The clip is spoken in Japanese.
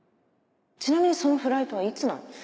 ちなみにそのフライトはいつなの？